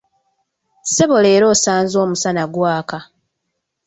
Ssebo leero osanze omusana gwaka.